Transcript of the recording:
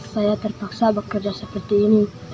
saya terpaksa bekerja seperti ini